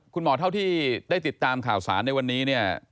เท่าที่ได้ติดตามข่าวสารในวันนี้เนี่ย